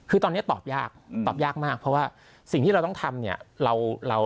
คือตอนนี้ตอบยากตอบยากมากเพราะว่าสิ่งที่เราต้องทำเนี่ย